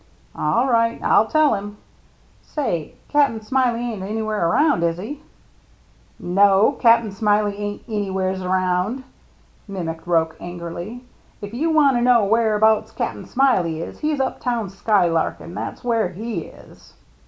"All right. I'll tell him. Say — Cap'n Smiley ain't anywhere around, is he ?" "iVo, Cap^n Smiley airCt anywheres around! " mimicked Roche, angrily. " If you want to know whereabouts Cap'n Smiley is, he's up town skylarkin', that's where he is."